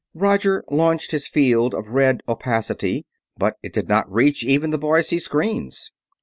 Roger launched his field of red opacity, but it did not reach even the Boise's screens.